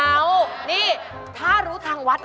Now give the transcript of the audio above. เอ้านี่ถ้ารู้ทางวัด